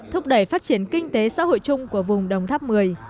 thúc đẩy phát triển kinh tế xã hội chung của vùng đồng tháp một mươi